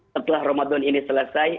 setelah ramadhan ini selesai